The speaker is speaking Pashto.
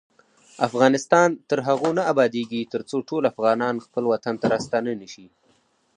افغانستان تر هغو نه ابادیږي، ترڅو ټول افغانان خپل وطن ته راستانه نشي.